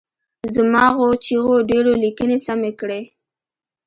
زما غو چیغو ډېرو لیکني سمې کړي.